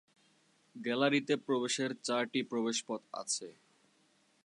গ্যালারিতে প্রবেশের চারটি প্রবেশপথ আছে।